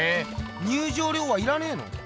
入場料はいらねえの？